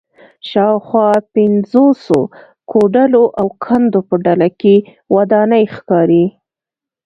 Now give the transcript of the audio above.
شاوخوا پنځوسو کوډلو او کندو په ډله کې ودانۍ ښکاري